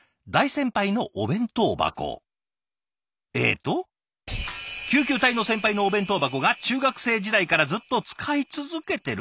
えっと「救急隊の先輩のお弁当箱が中学生時代からずっと使い続けてる」。